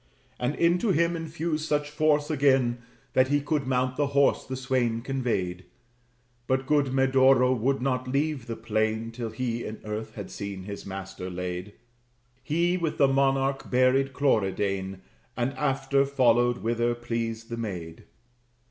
And into him infused such force again, That he could mount the horse the swain conveyed; But good Medoro would not leave the plain Till he in earth had seen his master laid. He, with the monarch, buried Cloridane, And after followed whither pleased the maid.